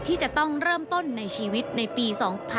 ที่จะต้องเริ่มต้นในชีวิตในปี๒๕๖๒